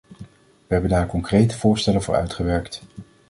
Wij hebben daar concrete voorstellen voor uitgewerkt.